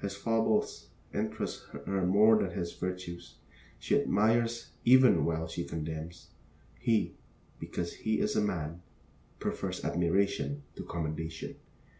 His foibles interest her more than his virtues. She admires even while she condemns. He, because he is a man, prefers admiration to commendation.